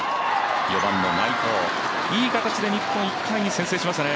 ４番の内藤いい形で日本、先制しましたね。